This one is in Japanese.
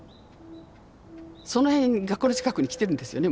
その辺学校の近くに来てるんですよね